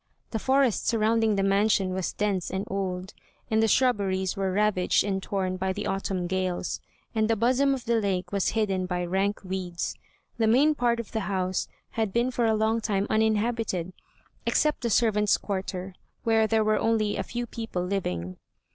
The forest surrounding the mansion was dense and old, and the shrubberies were ravaged and torn by the autumn gales, and the bosom of the lake was hidden by rank weeds. The main part of the house had been for a long time uninhabited, except the servants' quarter, where there were only a few people living.